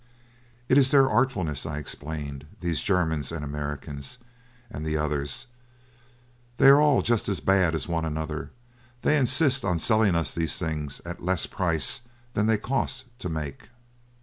"It is their artfulness," I explained, "these Germans and Americans, and the others; they are all just as bad as one another—they insist on selling us these things at less price than they cost to make."